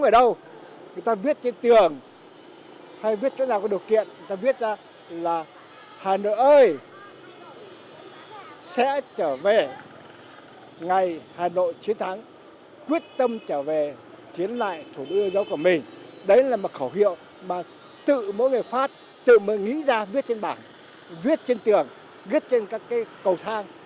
đấy là một khẩu hiệu mà tự mỗi người phát tự mới nghĩ ra viết trên bảng viết trên tường viết trên các cầu thang